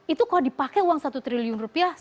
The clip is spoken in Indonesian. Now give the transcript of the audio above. itu kalau dipakai uang satu triliun rupiah